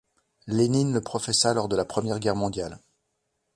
Lénine le professa lors de la Première Guerre mondiale.